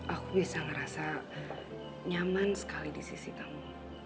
aku bisa ngerasa nyaman sekali di sisi tamu